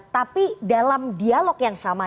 tapi dalam dialog yang sama